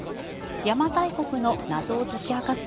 邪馬台国の謎を解き明かす